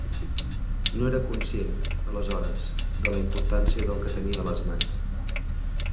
No era conscient, aleshores, de la importància del que tenia a les mans.